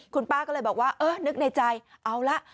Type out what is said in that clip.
คุณป้าก็เลยบอกว่าเออนึกในใจเอาละ